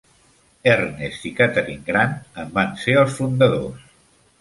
Ernest i Catharine Grant en van ser els fundadors.